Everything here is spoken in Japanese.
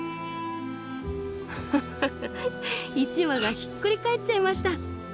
１羽がひっくり返っちゃいました。